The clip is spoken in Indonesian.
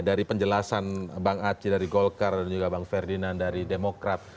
dari penjelasan bang aci dari golkar dan juga bang ferdinand dari demokrat